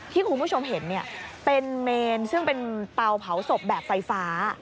ที่คุณผู้ชมเห็นเนี่ยเป็นเมนซึ่งเป็นเตาเผาศพแบบไฟฟ้า